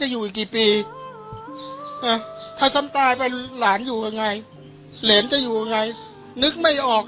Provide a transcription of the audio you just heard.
หนูอยู่กลางจ้าแล้วมาร้านจะกินอะไรยังนึกไม่ออก